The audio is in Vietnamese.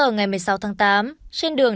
ngày một mươi sáu tháng tám trên đường